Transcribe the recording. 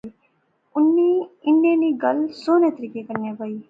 اُنی انیں نی گل سوہنے طریقے کنے بائی